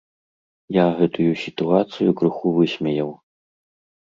Я гэтую сітуацыю крыху высмеяў.